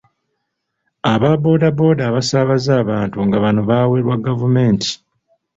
Aba bbooda bbooda abasaabaza abantu nga bano baawerwa gavumenti.